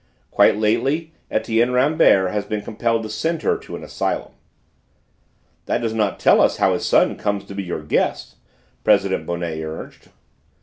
Quite lately Etienne Rambert has been compelled to send her to an asylum." "That does not tell us how his son comes to be your guest," President Bonnet urged.